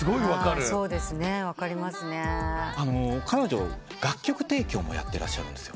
彼女楽曲提供もやってらっしゃるんですよ。